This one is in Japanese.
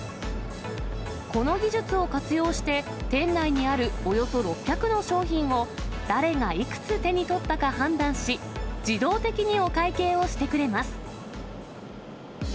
この技術を活用して、店内にあるおよそ６００の商品を、誰がいくつ手に取ったか判断し、自動的にお会計をしてくれます。